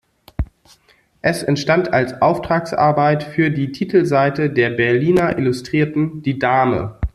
Es entstand als Auftragsarbeit für die Titelseite der Berliner Illustrierten "Die Dame".